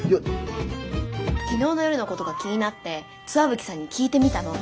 昨日の夜のことが気になって石蕗さんに聞いてみたの。